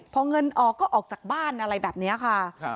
พอเงินออกก็ออกจากบ้านอะไรแบบนี้ค่ะ